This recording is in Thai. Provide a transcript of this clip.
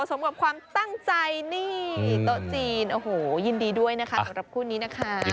สมกับความตั้งใจนี่โต๊ะจีนโอ้โหยินดีด้วยนะคะสำหรับคู่นี้นะคะ